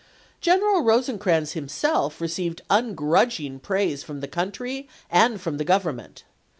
General Eosecrans himself received ungrudging praise from the country and from the Government.